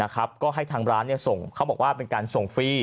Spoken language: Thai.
ก็ให้ทางร้านส่งเขาบอกว่าเป็นการส่งฟรี